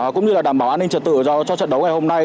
cũng như là đảm bảo an ninh trật tự cho trận đấu ngày hôm nay